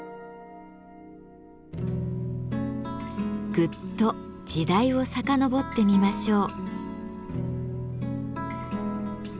ぐっと時代を遡ってみましょう。